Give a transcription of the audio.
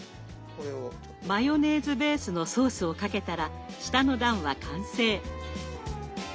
マヨネーズベースのソースをかけたら下の段は完成。